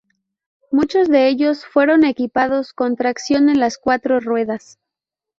Muchos de ellos fueron equipados con tracción en las cuatro ruedas.